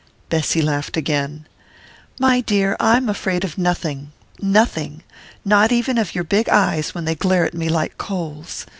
Bessy laughed again. "My dear, I'm afraid of nothing nothing! Not even of your big eyes when they glare at me like coals.